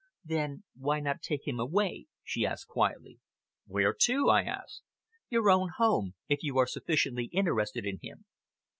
"Then why not take him away?" she asked quietly. "Where to?" I asked. "Your own home, if you are sufficiently interested in him!"